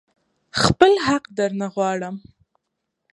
خپل حق درنه غواړم.